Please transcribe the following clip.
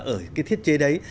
ở cái thiết chế đấy